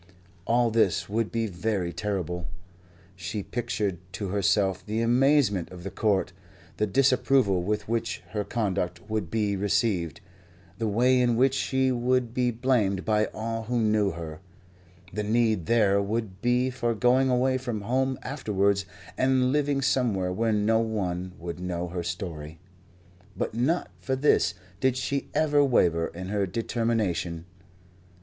All this would be very terrible. She pictured to herself the amazement of the court, the disapproval with which her conduct would be received, the way in which she would be blamed by all who knew her, the need there would be for going away from home afterwards and living somewhere where no one would know her story; but not for this did she ever waver in her determination.